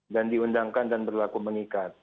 dan diundangkan dan berlaku mengikat